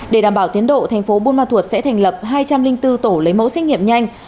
để đảm bảo tiến độ thành phố buôn ma thuột sẽ thành lập hai trăm linh bốn tổ lấy mẫu xét nghiệm nhanh